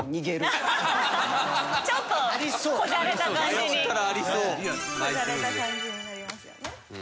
こじゃれた感じになりますよね。